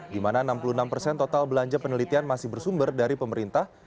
di mana enam puluh enam persen total belanja penelitian masih bersumber dari pemerintah